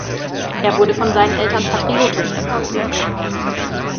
Er wurde von seinen Eltern patriotisch erzogen.